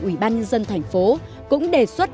ủy ban nhân dân thành phố cũng đề xuất